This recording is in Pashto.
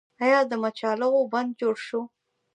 آیا د مچالغو بند جوړ شو؟